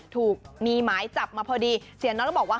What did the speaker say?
ถูกมีหมายจับมาพอดีเสียน็อตก็บอกว่า